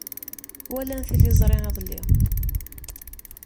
Walan tiliẓri iḍelli.